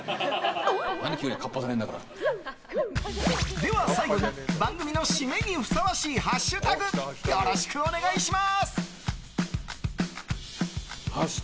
では最後に番組の締めにふさわしいハッシュタグよろしくお願いします。